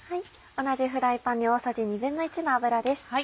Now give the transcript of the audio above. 同じフライパンに大さじ１／２の油です。